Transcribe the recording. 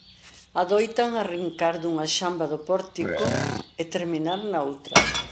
Adoitan arrincar dunha xamba do pórtico e terminar na outra.